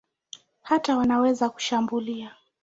Hata wanaweza kushambulia.